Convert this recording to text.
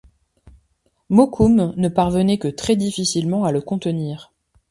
Mokoum ne parvenait que très difficilement à le contenir.